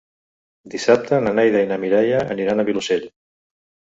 Dissabte na Neida i na Mireia aniran al Vilosell.